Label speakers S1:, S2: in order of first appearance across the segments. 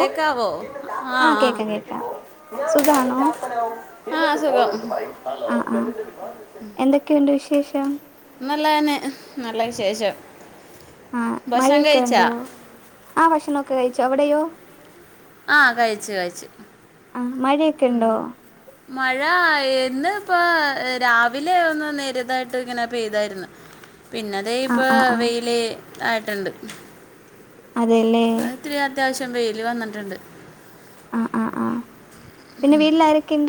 S1: ഓ
S2: ആഹ
S1: ആ കേക്കാം കേക്കാം സുഖാണോ
S2: ആഹ് ആഹ സുഖം
S1: ആ ആ എന്തൊക്കെയുണ്ട് വിശേഷം
S2: നല്ല തന്നെ നല്ല വിശേഷം
S1: ആഹ
S2: ഭക്ഷണം
S1: മഴയൊക്കെ
S2: കഴിച്ചാ
S1: ഉണ്ടോ ആ ഭക്ഷണം ഒക്കെ കഴിച്ചോ അവിടെയോ
S2: ആഹ കഴിച്ചു കഴിച്ചു
S1: മഴയൊക്കെയുണ്ടോ
S2: മഴ ഇന്ന് ഇപ്പ രാവിലെ ഒന്ന് നേരിതായിട്ട് ഇങ്ങനെ പെയ്തായിരുന്നു പിന്നെ അതെ
S1: ആ
S2: ഇപ്പൊ
S1: ആ ആ
S2: വെയില് ആയിട്ടുണ്ട്
S1: അതെല്ലേ
S2: അഹ് ഇത്തിരി അത്യാവശ്യം വെയില് വന്നിട്ടുണ്ട്
S1: ആ ആ ആ പിന്നെ വീട്ടിൽ ആരക്കെ ഇണ്ട്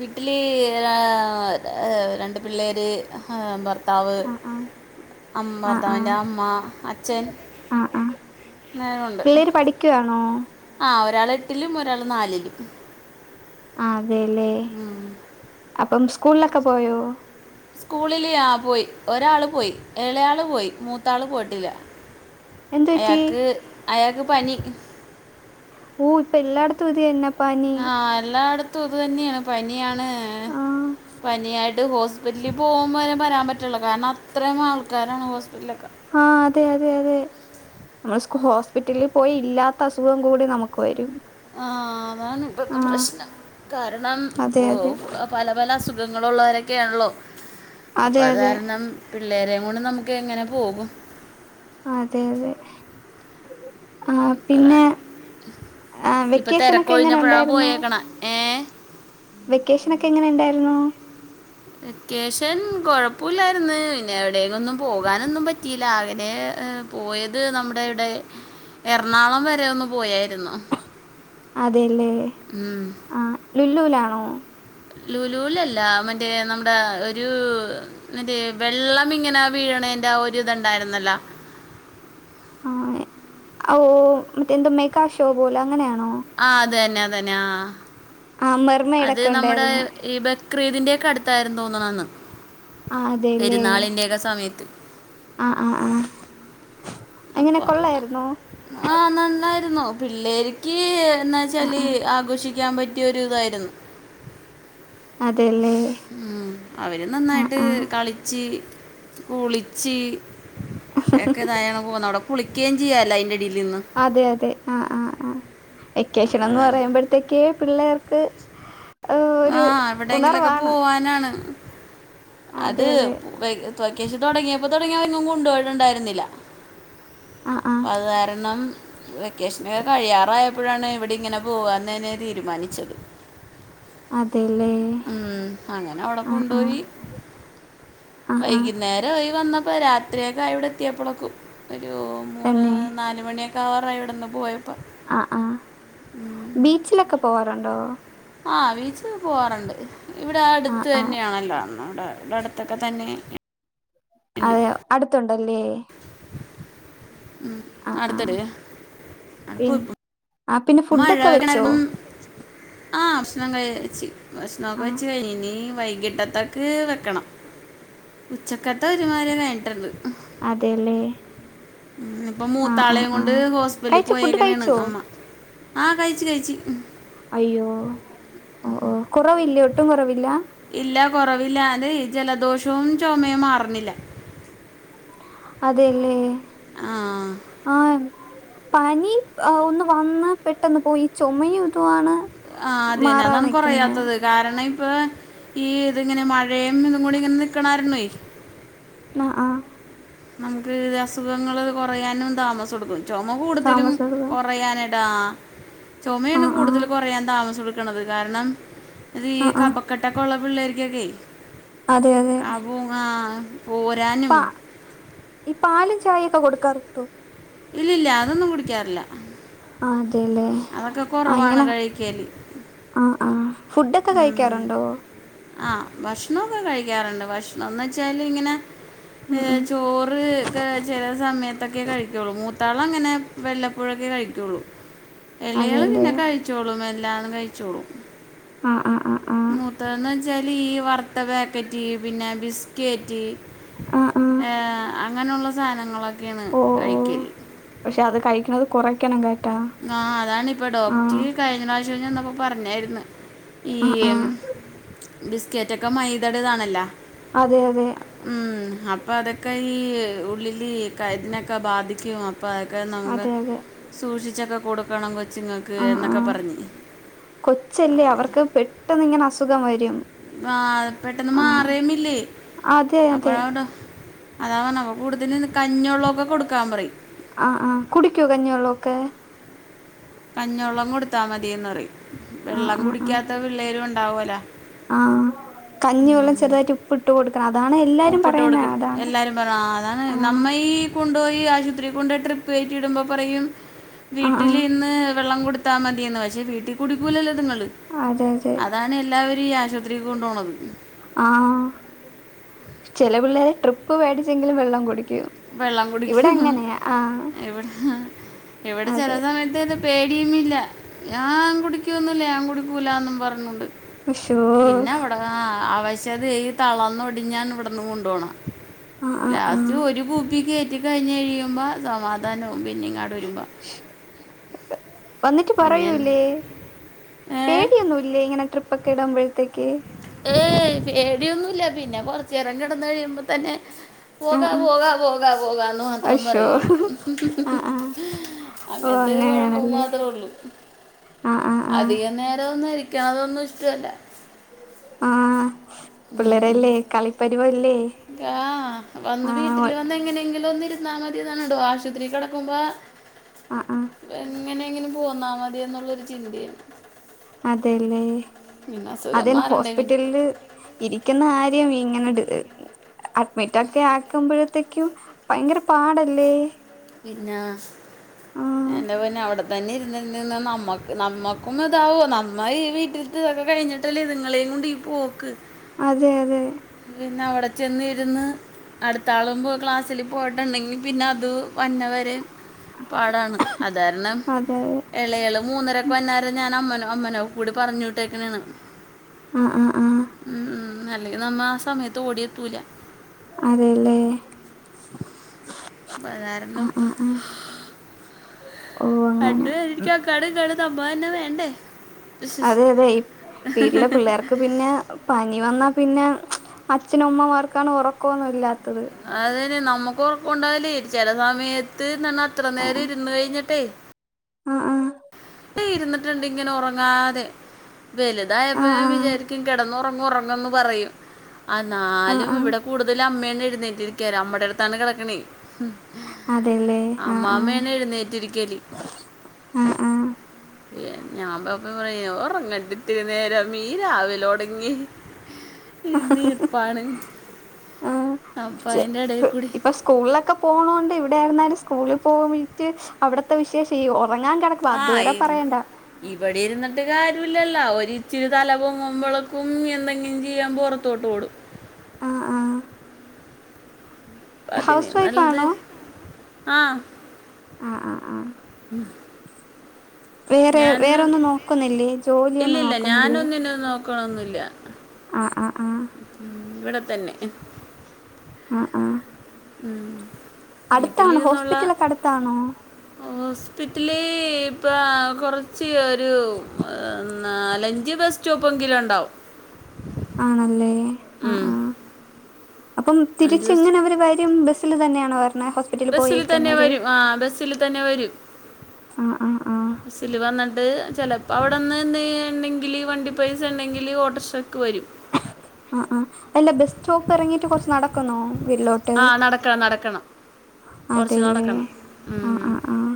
S2: വീട്ടില് രാ രണ്ട് പിള്ളേര് ആ ഭർത്താവ്
S1: ആ ആ
S2: അമ്മ
S1: ആ ആ
S2: ഭർത്താവിൻ്റെ അമ്മ അച്ഛൻ
S1: ആ ആ
S2: നേരം ഉണ്ട്
S1: പിള്ളേര് പഠിക്കുവാണോ
S2: ഒരാള് എട്ടിലും ഒരാള് നാലിലും
S1: ആ അതേ ല്ലേ അപ്പം സ്കൂളിലൊക്കെ പോയോ
S2: സ്കൂളില് ആ പോയി ഒരാള് പോയി ഏളയാള് പോയി മൂത്താള് പോയിട്ടില്ല
S1: എന്തു പറ്റി
S2: അയാക്ക് പനി
S1: ഓ ഇപ്പൊ എല്ലായിടത്തും ഇത് തന്നേ
S2: ആ എല്ലായിടത്തും ഇത് തന്നെയാ പനിയാണ്
S1: ആ
S2: പനിയാ ട്ടത് ഹോസ്പിറ്വരാൻ പറ്റൊള്ളൂ കാരണം അത്രയും ആൾക്കാരാണ് ഹോ
S1: ആ അതെ അതെ അതെ നമ്മൾ ഹോസ്പിറ്റലി പോയി ഇല്ലാത്ത അസുഖം കൂടി നമുക്ക് വരും
S2: ആ അതാണ് ഇപ്പത്തെ
S1: ആ
S2: പ്രശ്നം കാരണം
S1: അതെ
S2: വോ
S1: അതെ
S2: പല പല അസുഖങ്ങളുള്ളവര ക്കെയിള്ളൂ അപ്പ
S1: അതെ
S2: അത്
S1: അതെ
S2: കാരണം പിള്ളേര കൊണ്ട് നമുക്ക് എങ്ങനെ പോകും
S1: അതെ അതെ ആ പിന്നെ
S2: അതാണ്
S1: ആ
S2: ഇപ്പം
S1: വെക്കേഷനോക്കെ എങ്ങനെ
S2: തിരക്കൊഴിഞ്ഞപ്പോഴാണ്
S1: ഉണ്ടായിരുന്നു
S2: പോയേക്കണ ഏ
S1: വെക്കേഷനോക്കെ എങ്ങനെ ഉണ്ടായിരുന്നു
S2: വെക്കേഷൻ കൊഴപ്പുല്ലായിരുന്ന് പിന്നെ എവിടെക്കൊന്നും പോകാനൊന്നും പറ്റിയില്ല [unintelligible] ഏ പോയത് നമ്മുടെ ഇവിടെ എറണാകുളം വരെ ഒന്ന് പോയായിരുന്നു
S1: അതെല്ലേ [unintelligible]
S2: ഉം.
S1: ആ ലുല്ലൂലാണോ
S2: ലുലു അല്ലമറ്റേ നമ്മുടെ ഒരു മറ്റേ വെള്ളം ഇങ്ങനാ വീഴണേ അന്റെ ഒരു ഇത്ണ്ടായിരുന്നല്ല
S1: ആഹ് ആ ഓ മറ്റെ എന്ത മേകാ ഷോ പോലെ അങ്ങനെയാണോ
S2: ആ അത് തന്നെ അത് തന്നെ ആ
S1: ആ
S2: അത്
S1: മെർമെയ്ഡൊക്കെ
S2: നമ്മുടെ
S1: ഉണ്ടായിരുന്നു
S2: [inaudible]
S1: അതേല്ലേ
S2: പെരുന്നാളിൻ്റെയൊക്കെ സമയത്ത്
S1: ആ ആ ആ
S2: [inaudible]
S1: എങ്ങനെ കൊള്ളായിരുന്നോ
S2: പിള്ളേര്ക്ക്
S1: ആ ആ
S2: ക്കാൻ പറ്റിയൊരു തായിരിന്നു
S1: അതെല്ലേ
S2: ഉം അവര്
S1: ആ
S2: നന്നായിട്ട്
S1: ആ
S2: കളിച്ച് [inaudible]
S1: അതെ അതെ ആ ആ ആ
S2: അപ്പോൾ
S1: വക്കേശനന്ന്
S2: അതാണ്.
S1: പറയുമ്പോഴത്തേക്കേ പിള്ളേർക്ക് ഏ,
S2: ആ
S1: ഒരു
S2: എവിടെയങ്കിലൊക്കെ
S1: ഉണർവാണ്
S2: പോവാനാണ് അത്
S1: അതെ അതെ
S2: വെ വെക്കേഷൻ തുടങ്ങിയപ്പോ തുടങ്ങിയ എങ്ങും കൊണ്ടുപയിട്ടുണ്ടായിരുന്നില്ല
S1: ആഹ് ആഹ്
S2: അത് കാരണം വെക്കേഷനൊ കഴിയാറാ എപ്പോഴാണ് ഇവിടെ ഇങ്ങനെ പോവനേനേ തീരുമാനിച്ചത്
S1: അതെല്ലേ
S2: ഉം അങ്ങനെ അവിടെ
S1: ആഹ് ആഹ്
S2: കൊണ്ടോയി
S1: ആഹ് ആഹ്
S2: വൈകുന്നേര ആയി വന്ന പ്പം രാത്രിയൊക്കെ ഇവിടെ എത്തിയപ്പൊളൊക്കും ഒരു മൂന്ന്
S1: തന്നെ
S2: നാല് മണിയൊ കാറായി ഇവിടെന്ന് പോയ
S1: ആ ആ ബീച്ചിലൊക്കെ പോവാറുണ്ടോ
S2: ആ ബീച്ച് ല് പോവാറുണ്ട് ഇവിടെ
S1: ആഹ്
S2: അടുത്ത്
S1: ആഹ്
S2: തന്നെയാണല്ലോ [unintelligible] [unintelligible] അടുത്തൊക്കെ തന്നെ ഉണ്ട്
S1: [unintelligible] അടുത്തുണ്ടല്ലേ
S2: ഉം
S1: ആഹ് ആഹ്
S2: അടുത്തത്
S1: പിൻ
S2: [unintelligible]
S1: ആഹ് പിന്നെ
S2: മഴ
S1: ഫുഡൊക്കെ വെച്ചോ
S2: കാരണം ആ ഭക്ഷണം കഴിച്ച് ഭഷണൊക്ക
S1: ആഹ്
S2: വെച്ച് കഴിഞ്ഞ് വൈകിട്ടത്തേക്ക് വെക്കണം ഉച്ചക്കത്തെ ഒരുമാരി കഴിഞ്
S1: അതെല്ലേ
S2: ഉം ഇപ്പം
S1: ആഹ് ആഹ്
S2: മൂത്താളെയും കൊണ്ട്
S1: ആഹ്
S2: ഹോസ്പിറ്റലിൽ
S1: കഴിച്ചോ ഫുഡ്
S2: പോയേക്കണെയാണ്
S1: കഴിച്ചോ
S2: അമ്മ ആ കഴിച്ചു കഴിച്ചി
S1: അയ്യോ ഓ ഓ കുറവില്ലേ ഒട്ടും കുറവില്ല?
S2: ഇല്ല കൊറവില്ലാതെ ജലദോഷവും ചുമയും മാറുന്നില്ല
S1: അതെല്ലേ
S2: ആ
S1: ആഹ് പനി ഒന്ന് വന്ന് പെട്ടെന്ന് പോയി ചുമയും ഇതുവാണ്
S2: ആ അതിയന്നെ
S1: മാറാതെ
S2: അതാണ്
S1: നിക്കുന്നെ
S2: കൊറയാത്തത് കാരണം ഇപ്പൊ ഈ ഇതിങ്ങനെ മഴ പ്രേം ഇന്നും കൂടി ഇങ്ങനെ നിക്കണ കാരുണേ
S1: ആഹ് ആഹ്
S2: നമുക്ക് ഇത് അസുഖങ്ങള് കുറയാനും താമസം എടുക്കും. ചുമ കൂടുതലും
S1: താമസം എടുക്കും
S2: കുറയാന ട്ടാ. ചുമയാണ്
S1: ആഹ് ആഹ്
S2: കൂടുതൽ കൊറയാൻ താമസം എടുക്കണത് കാരണം ഇത് ഈ
S1: ആഹ് ആഹ്
S2: കബക്കെട്ടൊക്കെ ഉള്ള പിള്ളേരിക്കൊക്കെ
S1: അതെ അതെ
S2: കബോ ങ്ങാ ഊരാനും
S1: പാ ഈ പാലും ചായ ഒക്കെ കൊടുക്കാറുണ്ടോ?
S2: ഇല്ല ഇല്ല അതൊന്നും കുടിക്കാറില്ല
S1: ആ അതെല്ലേ
S2: അതൊക്കെ
S1: ആ
S2: കുറവാണ്
S1: ഇങ്ങനെ
S2: കഴിക്കൽ
S1: ആ ആ ഫുഡൊക്കെ കഴിക്കാറുണ്ടോ?
S2: ആഹ് ഭക്ഷണൊക്കെ കഴിക്കാറുണ്ട് ഭക്ഷണംന്ന് വെച്ചാല് ഇങ്ങനെ ഏ
S1: ഉം ഉം
S2: ചോറ് ക്കെ ചെല സമയത്തൊക്കെ കഴിക്കുള്ളൂ മൂ ത്താളങ്ങനെ വെല്ലപ്പഴൊക്കെ കഴിക്കുള്ളൂ ഇളയാള്
S1: അതെല്ലേ
S2: പിന്നെ കഴിച്ചോളൂ മെ ല്ലാണ് കഴിച്ചോളൂ
S1: ആ ആ ആ ആ
S2: മൂത്തന്ന് വെച്ചാല് ഈ വറുത്ത പാക്കറ്റ് പിന്നെ ബിസ്കേറ്റ്
S1: ആ ആ
S2: ഏ അങ്ങനെയുള്ള സാധങ്ങളൊക്കെയാണ്
S1: ഓ ഓ
S2: കൈക്കല്
S1: പക്ഷെ അത് കഴിക്കണത് കുറയ്ക്കണം ക
S2: ആ അതാണിപ്പോ ഡോക്റ്റ് കഴിഞ്ഞ പ്രാവശ്യം ചെന്നപ്പോ പറഞ്ഞായിര്ന്ന് ഈ
S1: ആ ആ
S2: ബിസ്കറ്റ് ഒക്കെ മൈദടെതാണല്ലോ
S1: അതെ അതെ
S2: ഉം അപ് പ്പം അതൊക്ക ഈ ഉള്ളില് കര്നൊക്കെ ബാധിക്കും പ്പൊ അതൊക്കെ നമുക്ക്
S1: അതെ അതെ
S2: സൂക്ഷിച്ചൊക്കെ കൊടുക്കണം കൊച്
S1: ആ ആ കൊച്ചല്ലേ
S2: അപ്പം
S1: അവർക്ക് പെട്ടെന്നിങ്ങനെ അസുഖം വരും
S2: ആ പെട്ടെന്ന്
S1: ആ
S2: മാറേമില്ലേ
S1: അതെ അതെ
S2: അപ്പൊഴാ ട്ടൊ അതാ പറ്ഞ്ഞേ കൂടുതൽ കഞ്ഞള്ളൊക്കെ കൊടുക്കാൻ പറയും
S1: ആ ആ കുടിക്കോ കഞ്ഞോള്ളോക്കെ?
S2: കഞ്ഞെള്ളം കൊടുത്താ മതിന്ന് പറയും
S1: ആ
S2: വെള്ളം
S1: ആ ആ
S2: കുടിക്കാത്ത പിള്ളേരുണ്ടാവല്ലോ
S1: ആഹ് കഞ്ഞിവെള്ളം ചെറുതായിട്ട് ഉപ്പ് ഇട്ട് കൊടു
S2: ഉപ്പിട്ട് കൊടുക്കും. എല്ലാരും പറഞ്ഞു അതാണ്
S1: ആഹ്
S2: നമ്മ ഈ കൊണ്ടോയി ആശുപത്രി കൊണ്ട് ട്രിപ്പ് കയറ്റിടുമ്പോ പറയും
S1: ആഹ്
S2: വീട്ടിൽ
S1: ആഹ്
S2: ഇരുന്ന് വെള്ളം കൊടുത്താ മതിയന്ന് പക്ഷെ വീട്ടിൽ കുടിക്കൂലല്ലോ ഇതിങ്ങള്
S1: അതെ അതെ
S2: അതാണ് എല്ലാവരും ഈ ആശുപത്രിക്ക് കൊണ്ടു പോണത്
S1: ആഹ് ചെല പിള്ളേരെ ട്രിപ്പ് പേടിച്ചെങ്കിലും വെള്ളം കുടി
S2: വെള്ളം കുടിക്കും
S1: ആഹ്
S2: ഇവിടെ ഇവിടെ ചില
S1: അതെ
S2: സമയത്ത് പേടിയുമില്ല ഞാൻ കുടിക്കൊന്നുമില്ല ഞാൻ കുടിക്കില്ല എന്നും പറഞ്ഞുണ്ട്
S1: ശോ
S2: പിന്നെ അവിടെ ആ പക്ഷെ അത് തന്നടി ഞാൻ ഇവിടന്ന് കൊണ്ടോണ്
S1: ആഹ് ആഹ്
S2: ലാസ്റ്റ്
S1: ആഹ്
S2: ഒരു കുപ്പി കേറ്റി കഴിഞ് കഴിയുമ്പോ സമാധാനവും പിന്നെങ്ങാട് വരുമ്പോ
S1: വന്നിട്ട് പറയൂല്ലേ
S2: ഏ
S1: പേടിയൊന്നുംല്ലേ ഇങ്ങനെ ട്രിപ്പക്കെ ഇടുമ്പോഴത്തേക്ക്
S2: ഏയ് പേടിയൊന്നുല്ല പിന്നെ കൊറച്ചു നേര കിടന്ന് കഴിയുമ്പോ തന്നെ
S1: ആഹ്
S2: പോകാ
S1: ആഹ്
S2: പോകാ പോകാ പോകാ എന്ന് മാത്രം
S1: അശോ
S2: പറയുള്ളൂ
S1: ആഹ് ആഹ് ഓ
S2: അങ്ങനത്തെ ഒരു കൊഴപ്പം
S1: അങ്ങനെയാണല്ലേ
S2: മാത്രോള്ളു
S1: ആഹ് ആഹ് ആഹ്
S2: അധികം നേരം അതൊന്നും ഇഷ്ടവല്ല
S1: ആ
S2: ഉം.
S1: പിള്ളേരല്ലേ കളിപ്പരിവല്ലേ
S2: ആ വന്ന് വീട്ടില് വന്ന് എങ്ങ. വീട്ടിൽ വന്നിരുന്ന മതിന്ന് പറഞ്ഞിട്ട് അശ്വതി കിടക്കുമ്പോ
S1: അ ആ
S2: അങ്ങനെ എങ്ങനെ പോന്നാ മതി എന്നുള്ളൊരു ചിന്തയാണ്
S1: അതെല്ലേ
S2: പിന്നെ അസുഖം
S1: അതന്നെ
S2: മാറണ്ടെങ്കിൽ
S1: ഹോസ്പിറ്റലില് ഇരിക്കുന്ന കാര്യം ഇങ്ങനെ ഡ് അഡ്മിറ്റ് ഒക്കെ ആക്കുമ്പോഴത്തേക്കും ഭയങ്കര പാടല്ലേ
S2: പിന്നാ
S1: ആഹ്
S2: എൻ്റെ പിന്നെ. തന്നെ ഇരുന്ന്ര്ന്ന് നമ്മക്ക് നമ്മക്കും അതാവും നമ്മ ഈ വീട്ടലത്തെ ഇതൊക്കെ കഴിഞ്ഞിട്ടല്ലേ ഇതിങ്ങളെ. എന്നിടി പോക്ക്
S1: അതെ അതെ
S2: പിന്നെ അവിടെ ചെന്ന് ഇരുന്ന് അടുത്താളമുമ്പ് ക്ലാസ്സില് പോയിട്ടുണ്ടെങ്കി പിന്നെ അത്. വന്നവരെ പാടാൻ അത് കാരണം
S1: അതെ അതെ
S2: ഇളയള് മൂന്നരക്ക് വന്നാരം ഞാൻമ്മന അമ്മനോ കൂടി പറഞ്ഞുവിട്ടേക്കന്നാണ്
S1: അ അ ആ
S2: അല്ലെങ്കി നമ്മ ആ സമയത്ത് ഓടിയത്തൂല
S1: അതെല്ലേ ആഹ് ആഹ്
S2: പിള്ളേരൊന്നും
S1: ആഹ്
S2: ഹാ
S1: ഓ അങ്ങനെ
S2: കണ്ട് വൈദികൻ
S1: അതെ അതെ ഈ വീട്ടിലെ പിള്ളേർക്ക് പിന്നെ പനി വന്ന പിന്നെ അച്ഛനുമ്മമാർക്കാണ് ഉറക്കൊന്നുല്ലാ
S2: അതന്നെ നമ്മക്ക് ഉറപ്പുണ്ടായലേ ചില എത്ര നേരം ഇരുന്ന് കഴിഞ്ഞട്ട്
S1: അ ആ
S2: ഇരുന്നിട്ടുണ്ട് ഇങ്ങനെ ഉറങ്ങാതെ
S1: ആഹ്
S2: വലുതായപ്പോ
S1: ആഹ്
S2: ഞാൻ വിചാരിക്കും കിടന്നോ റങ്ങുന്നു പറയും
S1: ആഹ് ആഹ്
S2: എന്നാലും
S1: ആഹ്
S2: ഇവിടെ കൂടുതലുംഅമ്മയാണ്എഴുന്നേറ്റ് റ്റിരിക്കൽ അമ്മയുടെ ട്ത്താണ് കടകണെ
S1: അതെല്ലേ ആഹ് ആഹ്
S2: അമ്മാമ്മയാണ് എഴുന്നേറ്റിരിക്കല്
S1: ആഹ് ആഹ്
S2: ഞാൻ [unintelligible] ഒറങാര്ത്ട്ട് നേരമ്മി രാവിലെ ഒടങ്ങി ഇതിൽ പ്പാണാ
S1: ആ് ചെ പ്പ് ഇപ്പൊ സ്കൂളിലൊക്കെ പോണൊണ്ട് ഇവിടെ സ്കൂൾ പൊവണ്ട്ട്ട് അവിട്ത്ത വിശേഷം ഒ ഒറങ്ങാൻ കിടക്കുവ
S2: ആ
S1: അതുവരെ പറയണ്ട
S2: ആരുല്ലല്ലൊ ഒരിച്ചിരി തല പൊങ്ങുമ്പോളക്കും എന്തെങ്കിലും ചെയ്യാ പൊറത്തോട്ട് ഓടും
S1: അ ആ
S2: അപ്പം അതിന്
S1: ഹൗസ്
S2: നല്ലത്
S1: വൈഫാണോ?
S2: ആ
S1: അ അ ആ
S2: ഞാൻ ന്ന്
S1: വേറൊന്നും നോക്കുന്നില്ലേ ജോലിയൊന്നും
S2: ഇല്ലല്ല ഞാനൊന്നിനും നോക്കണന്നൊല്ല
S1: അ അ അ
S2: ഇവിടെ തന്നെ
S1: അ ആ
S2: ഉം വീട്ടിലിരുന്നുള്ള
S1: ഹോസ്പിറ്റലൊക്കെ അടുത്താണോ
S2: ഹോസ്പിറ്റല് ഇപ്പ കൊറച്ച് ഒരു നാലഞ്ച് ബസ് സ്റ്റോപ്പെങ്കിലും ഉണ്ടാവും
S1: ആണല്ലേ അ
S2: ഉം,
S1: ആ അപ്പം
S2: അഞ്ച്
S1: തിരിച്ചെങ്ങനെവര് വരും ബസ്സില് തന്നെയാണോ [unintelligible]
S2: ബസ്സില് തന്നെ
S1: പോയേക്കുന്നവര്
S2: വരും ആ ബസ്സില് തന്നെ വരും.
S1: ആഹ് ആഹ് ആഹ്
S2: ബസ്സിൽ വന്നിട്ട് ചിലപ്പോൾ അവിടെ [unintelligible] ഈ വണ്ടി പൈസണ്ടെങ്കിൽ ഓട്ടർഷക്ക വരും.
S1: ആ ആ അല്ല ബസ്റ്റോപ്പ് ഇറങ്ങിട്ട് കുറച്ച് നടക്കുന്നോ?
S2: ആ നടക്കണം നടക്കണം കുറച്ച്
S1: അതല്ലേ
S2: നടക്കണം
S1: ആഹ
S2: ഉം.
S1: ആഹ ആഹ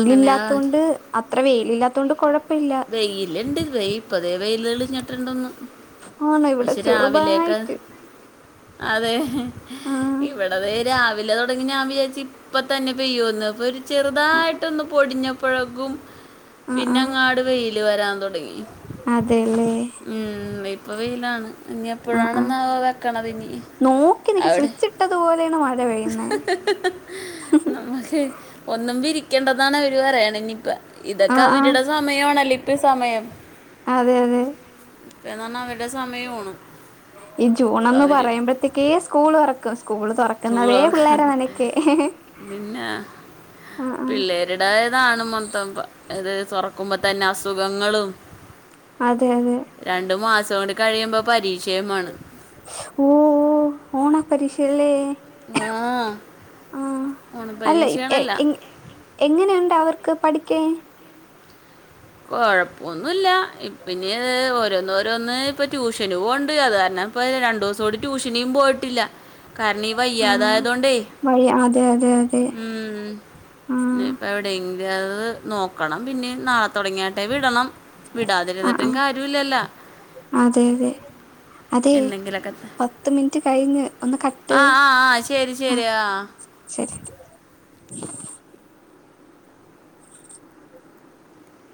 S2: അങ്ങനെ ആ,
S1: അത്ര വെയിലല്ലാത്തോണ്ട് കുഴ [unintelligible]
S2: വെയിലിണ്ട് വെയിപൊതു [unintelligible] വെയിലികാലിട്ടോണ്ട് [unintelligible]
S1: ആണ് ഇവിടെ
S2: പക്ഷേ രാവിലേക്ക്
S1: ചെറുതായിട്ട്
S2: അതെ [unintelligible] ങ്‌ ഹും
S1: ആഹ്
S2: ഇവിടെ തെ രാവിലെ തോ ഞാൻ വിചാരിച്ചു ഇപ്പ തന്നെ പെയ്യോന്ന് അപ്പൊ ഒരു
S1: ആഹ്
S2: ചെറുതായിട്ടൊന്ന് പൊടിഞ്ഞപ്പഴേക്കും
S1: ആഹ് ആഹ്
S2: പിന്നങ്ങാട് വെയില് വരാൻ തുടങ്ങി
S1: അതെല്ലേ
S2: ഉം ഇപ്പ വെയിലാണ് ഇനി
S1: ആഹ് ആഹ്
S2: എപ്പോഴാണെന്നാവോ വെക്കണത് ഇനി
S1: നോക്കി നിക്ക
S2: അവിടെ
S1: സ്വിച്ചിട്ടതു പോലെയാണ് മഴ പെയ്യുന്നെ
S2: [inaudible] നമ്മുക്ക് ഒന്നും വിരിക്കണ്ടന്നാണ് അവര് പറയണേ നിപ്പ ഇതൊക്കെ
S1: ആഹ് ആഹ്
S2: അവരുടെ സ [unintelligible] ഓണലിപ്പ സമയം
S1: അതെ അതെ
S2: ഇപ്പന്ന വര്
S1: ഈ
S2: അപ്പം
S1: ജൂൺഒന്ന്
S2: അവർ
S1: പറയുമ്പോതെക്കെ സ്കൂൾ തുറക്കും സ്കൂൾ തുറക്കുന്നതേ പിള്ളോര
S2: ചൂളർക്കാണ്
S1: നനൊക്ക [unintelligible]
S2: പിള്ളേരുടായതാണ് മൊത്തം എത് തോറക്കുംബോ തന്നെ അസുഖങ്ങളും
S1: അതെ അതെ
S2: തോണ്ട് [unintelligible] കഴിയുമ്പോ പരീക്ഷയുമാണ്
S1: ഓ ഓ ഓണപരീക്ഷയെല്ലേ
S2: ആ
S1: ആ അല്ലെ
S2: ഓണപ്പരീക്ഷയാണല്ല
S1: എങ്ങഎങ്ങനെയുണ്ടാവും [unintelligible] ക്ക പഠിക്കേ
S2: കൊഴപ്പൊന്നുല്ല ഇപിന്നെ ഓരോന്ന് ഓരോന്ന് ഇപ്പൊ ട്യൂഷന് പോണ്ട് അത് കാരണം പ്പ രണ്ടുസംകുടി ടുഷനിം പോയിട്ടില്ല കാരണംഈ
S1: ആഹ്
S2: വയ്യാതായതോണ്ടേ
S1: വഴി അതെ അതെ അതെ
S2: ഉം
S1: ആഹ്
S2: ഇപ്പ എവിടെങ്ക [unintelligible] നോക്കണം പിന്നേം നാളെ തൊടങ്ങിയട്ടെ വിടണം
S1: ആഹ്
S2: വിടാതിരുന്നിട്ടും കാര്യവല്ലല്ല
S1: ആഹ് അതെ അതെ അതെ പത്ത് മിനിറ്റ് കഴിഞ്ഞ് ഒന്ന് കട്ട്
S2: ആ ആ ആ ശരി
S1: ആ
S2: ശരി
S1: ശരി